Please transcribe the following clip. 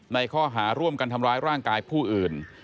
ในข้อหาร่วมกันทำร้ายร่างกายผู้อื่น